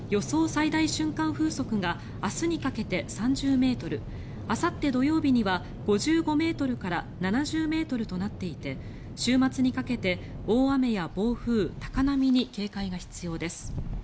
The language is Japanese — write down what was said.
最大瞬間風速が明日にかけて３０ｍあさって土曜日には５５ｍから７０ｍとなっていて週末にかけて大雨や暴風、高波に警戒が必要です。